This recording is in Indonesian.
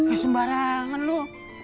eh sembarangan lu